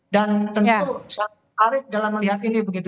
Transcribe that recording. dan tentu saya tertarik dalam melihat ini begitu